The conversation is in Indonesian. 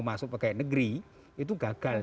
masuk pegawai negeri itu gagal